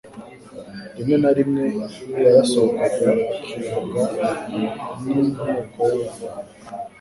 Rimwe na rimwe yarasohokaga akiyanga n'inteko y'abantu.